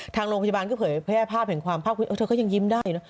ทางโรงพยาบาลก็เผยแพทย์ภาพเห็นความภาพคุณโอ้เธอก็ยังยิ้มได้นะ